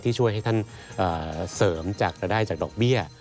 ช่วยให้ท่านเสริมจากรายได้จากดอกเบี้ย